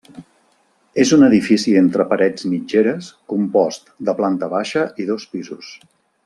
És un edifici entre parets mitgeres, compost de planta baixa i dos pisos.